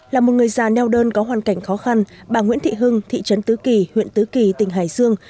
là một người già neo đơn có hoàn cảnh khó khăn bà nguyễn thị hưng thị trấn tứ kỳ huyện tứ kỳ tỉnh hải dương